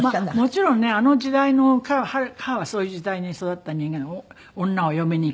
もちろんねあの時代の母はそういう時代に育った人間女はお嫁に行けって。